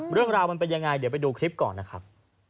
เรื่องราวมันเป็นยังไงเดี๋ยวไปดูคลิปก่อนนะครับ